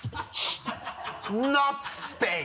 ノットスペイン！